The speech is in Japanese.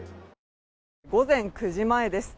午前９時前です。